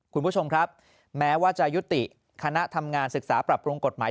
คุณผู้ชมครับแม้ว่าจะยุติคณะทำงานศึกษาปรับปรุงกฎหมาย